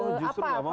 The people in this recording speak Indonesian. oh justru gak mau ya